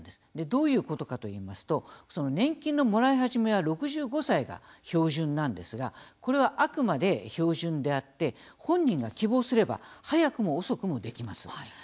どういうことかといいますと年金のもらい始めは６５歳が標準なんですがこれは、あくまで標準であって本人が希望すれば早くも遅くもできます。